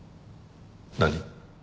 何？